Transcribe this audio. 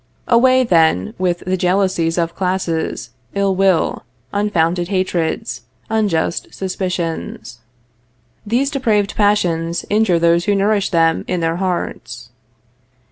Away, then, with the jealousies of classes, ill will, unfounded hatreds, unjust suspicions. These depraved passions injure those who nourish them in their hearts.